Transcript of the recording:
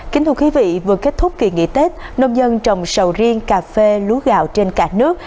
kính thưa quý vị vừa kết thúc kỳ nghỉ tết nông dân trồng sầu riêng cà phê lúa gạo trên cả nước